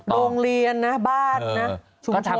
โรงเรียนนะบ้านนะชุมชน